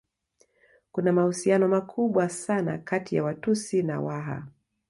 Kuna mahusiano makubwa sana kati ya Watusi na Waha